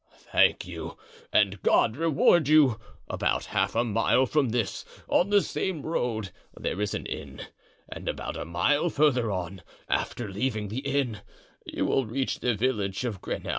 "Thank you, and God reward you! About half a mile from this, on the same road, there is an inn, and about a mile further on, after leaving the inn, you will reach the village of Greney.